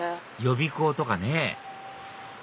予備校とかね